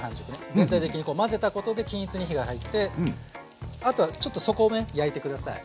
全体的にこう混ぜたことで均一に火が入ってあとはちょっと底をね焼いてください。